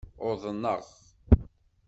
Uḍnaɣ.